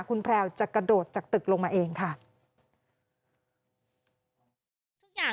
คุณแพลวจะกระโดดจากตึกลงมาเองค่ะ